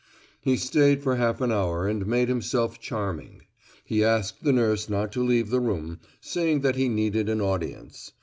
He stayed for half an hour and made himself charming. He asked the nurse not to leave the room, saying that he needed an audience.